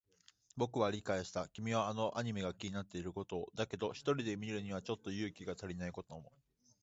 僕は理解した。君はあのアニメが気になっていることを。だけど、一人で見るにはちょっと勇気が足りないことも。